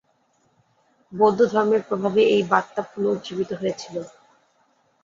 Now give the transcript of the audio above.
বৌদ্ধর্ধমের প্রভাবে এই বার্তা পুনর্জীবিত হয়েছিল।